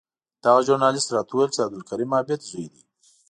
دغه ژورنالېست راته وویل چې د عبدالکریم عابد زوی دی.